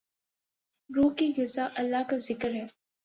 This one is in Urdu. روح کی غذا اللہ کا ذکر ہے۔